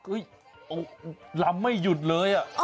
อุ๊ยรำไม่หยุดเลย